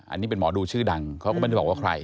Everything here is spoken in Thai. อันนี้เป็นหมอดูชื่อดังเขาก็ไม่ได้บอกว่าใคร